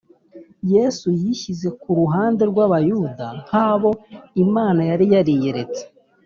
. Yesu yishyize ku ruhande rw’Abayuda nk’abo Imana yari yariyeretse.